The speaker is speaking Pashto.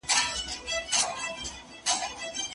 په ساینسي څېړنو کي شاګرد او استاد تل شریک دي.